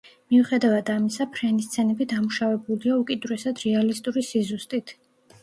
მიუხედავად ამისა, ფრენის სცენები დამუშავებულია უკიდურესად რეალისტური სიზუსტით.